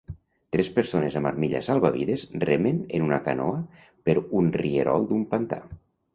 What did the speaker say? Tres persones amb armilla salvavides remen en una canoa per un rierol d'un pantà.